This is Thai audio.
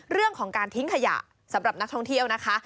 เรื่องของการทิ้งขยะสำหรับนักท่องเที่ยวนะคะ